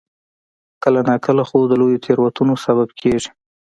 کله ناکله خو د لویو تېروتنو سبب کېږي.